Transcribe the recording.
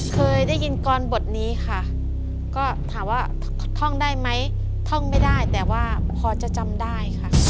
เคยได้ยินกรบทนี้ค่ะก็ถามว่าท่องได้ไหมท่องไม่ได้แต่ว่าพอจะจำได้ค่ะ